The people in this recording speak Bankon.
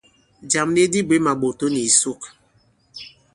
Jàm nik dī bwě màɓòto nì ìsuk.